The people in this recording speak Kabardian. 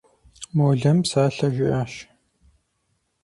Молэм псалъэ жиӏащ.